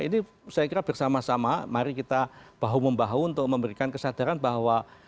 ini saya kira bersama sama mari kita bahu membahu untuk memberikan kesadaran bahwa